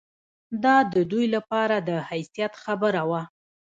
دا د دوی لپاره د حیثیت خبره وه.